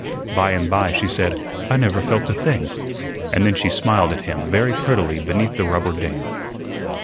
By and by she said, "I never felt a thing," and then she smiled at him very prettily beneath the rubber dam.